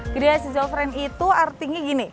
gria siso friend itu artinya gini